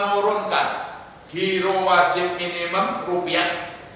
menurunkan giro wajib minimum rupiah